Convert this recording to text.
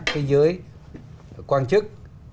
cái giới quan chức